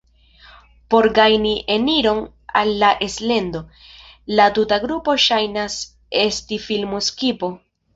Por gajni eniron al la elsendo, la tuta grupo ŝajnas esti filmo-skipo.